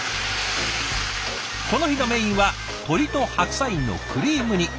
この日のメインは鶏と白菜のクリーム煮。